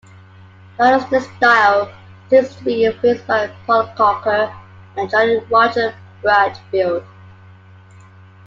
The artistic style seems to be influenced by Paul Coker and Jolly Roger Bradfield.